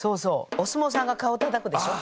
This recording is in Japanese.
お相撲さんが顔たたくでしょ。